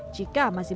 jika masih berhasil